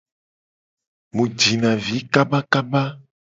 Mu jina vi kabakaba.